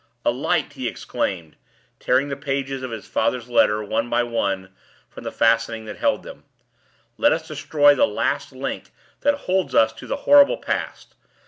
"A light!" he exclaimed, tearing the pages of his father's letter, one by one, from the fastening that held them. "Let us destroy the last link that holds us to the horrible past!